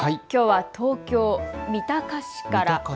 きょうは東京三鷹市から。